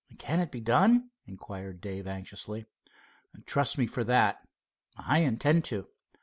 "Can it be done?" inquired Dave, anxiously. "Trust me for that." "I intend to."